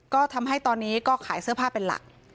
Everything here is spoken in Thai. ก็ทำให้ตอนนี้ก็ขายเสื้อผ้าเป็นหลัก